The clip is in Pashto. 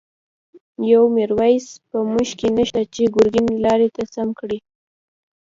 یو«میرویس» په مونږ کی نشته، چه گرگین لاری ته سم کړی